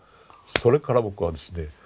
それから僕はですね